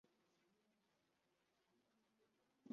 urugo rw inyuma maze mpabona ibyumba byo kuriramo